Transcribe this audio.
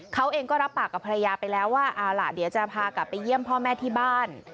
เขาเองก็รับปากกับภรรยาไปแล้วว่าเอาล่ะเดี๋ยวจะพากลับไปเยี่ยมพ่อแม่ที่บ้าน